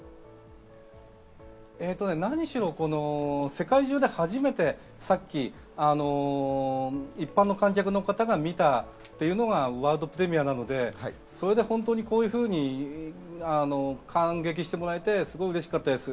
何しろ世界中で初めて、さっき一般の観客の方が見たというのがワールドプレミアなので、それがこういうふうに感激してもらえてすごくうれしかったです。